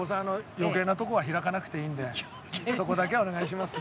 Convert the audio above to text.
余計なとこは開かなくていいんでそこだけはお願いします。